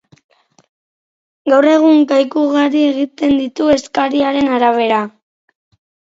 Gaur egun, kaiku ugari egiten ditu eskariaren arabera.